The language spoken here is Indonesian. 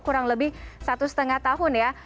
kurang lebih satu setengah tahun ya